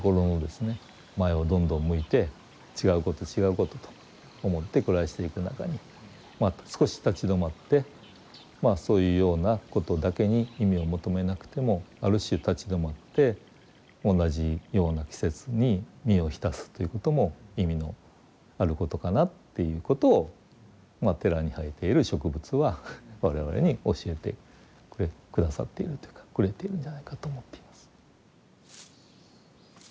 前をどんどん向いて違うこと違うことと思って暮らしていく中に少し立ち止まってそういうようなことだけに意味を求めなくてもある種立ち止まって同じような季節に身を浸すということも意味のあることかなっていうことを寺に生えている植物は我々に教えて下さっているというかくれているんじゃないかと思っています。